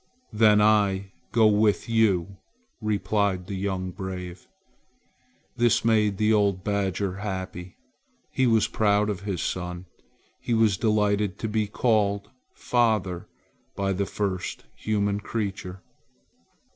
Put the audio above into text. "Then I go with you," replied the young brave. This made the old badger happy. He was proud of his son. He was delighted to be called "father" by the first human creature.